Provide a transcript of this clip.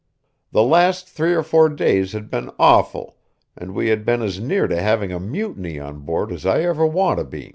The last three or four days had been awful, and we had been as near to having a mutiny on board as I ever want to be.